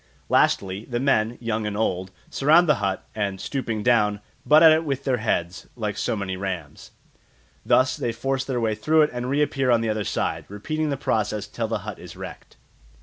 Lastly, the men, young and old, surround the hut, and, stooping down, butt at it with their heads, like so many rams. Thus they force their way through it and reappear on the other side, repeating the process till the hut is wrecked.